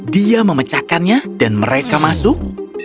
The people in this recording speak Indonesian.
dia memecahkannya dan mereka masuk